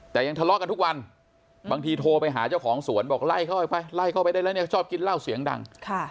แต่ยังทะเลาะกันทุกวันบางทีโทรไปหาเจ้าของสวนบอกไล่เข้าไปไล่เข้าไปได้แล้วเนี่ยชอบกินเหล้าเสียงดัง